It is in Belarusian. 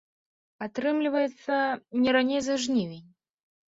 Атрымліваецца, не раней за жнівень.